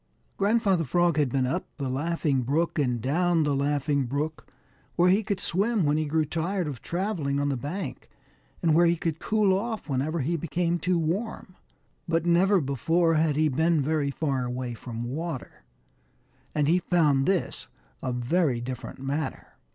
Grandfather Frog had been up the Laughing Brook and down the Laughing Brook, where he could swim when he grew tired of traveling on the bank, and where he could cool off whenever he became too warm, but never before had he been very far away from water, and he found this a very different matter.